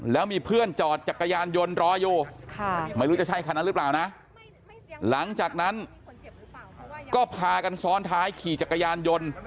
แล้วมีเพื่อนจอดจักรยานยนต์รออยู่ไม่รู้จะใช่คันนั้นหรือเปล่านะหลังจากนั้นก็พากันซ้อนท้ายขี่จักรยานยนต์